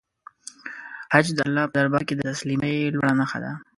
حج د الله په دربار کې د تسلیمۍ لوړه نښه ده.